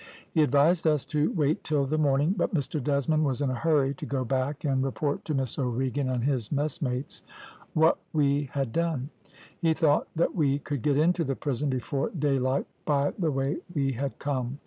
He advised us to wait till the morning, but Mr Desmond was in a hurry to go back and report to Miss O'Regan and his messmates what we had done; he thought that we could get into the prison before daylight by the way we had come.